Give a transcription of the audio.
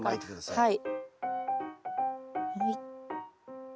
はい。